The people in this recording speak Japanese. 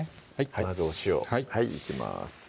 まずお塩はいいきます